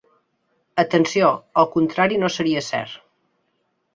Atenció, el contrari no seria cert.